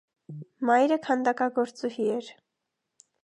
Մայրը քանադակագործուհի էր։